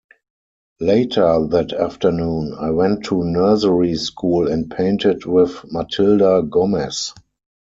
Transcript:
Later that afternoon, I went to nursery school and painted with Matilda Gomez.